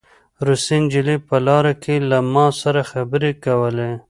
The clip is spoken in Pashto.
روسۍ نجلۍ په لاره کې له ما سره خبرې کولې